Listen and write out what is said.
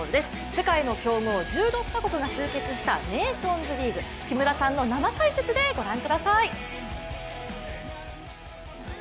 世界の強豪、１６カ国が集結したネーションズリーグ、木村さんの生解説でご覧ください。